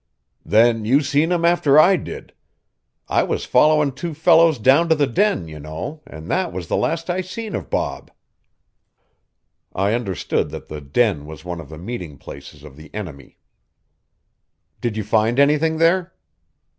"Then you seen him after I did. I was following two fellows down to the Den, you know, and that was the last I seen of Bob." I understood that the Den was one of the meeting places of the enemy. "Did you find anything there?"